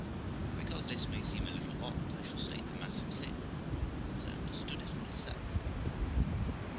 Now, because this may seem a little odd, I shall state the matter clearly, as I understood it myself.